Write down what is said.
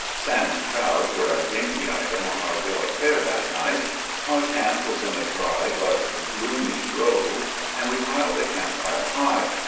Sam's trout were a dainty item on our bill of fare that night. Our camp was in a dry but gloomy grove, and we piled the camp fire high.